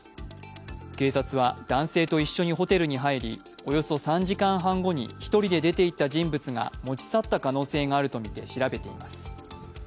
警察は男性と一緒にホテルに入り、およそ３時間半後に１人で出ていった人物が持ち去った可能性があるとみて調べています。